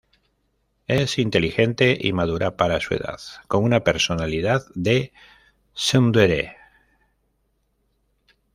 Es inteligente y madura para su edad, con una personalidad de "tsundere".